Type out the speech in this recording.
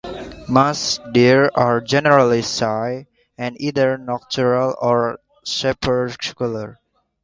Musk deer are generally shy, and either nocturnal, or crepuscular.